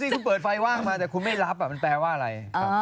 นี่คุณเปิดไฟว่างมาแต่คุณไม่รับมันแปลว่าอะไร